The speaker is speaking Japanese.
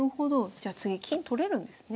じゃあ次金取れるんですね。